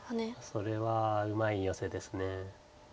それはうまいヨセです。